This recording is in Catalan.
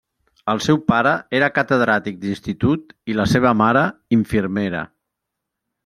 El seu pare era catedràtic d'institut i la seva mare, infermera.